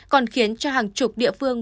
còn khiến cho hàng chục địa phương